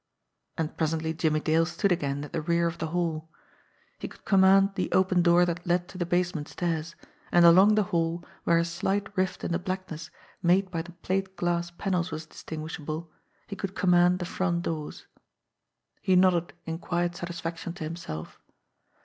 And presently Jimmie Dale stood again at the rear of the hall. He could command the open door that led to the basement stairs; and along the hall, where a slight rift in the blackness made by the plate glass panels was distinguishable, he could command the front doors. He nodded in quiet satisfaction to himself.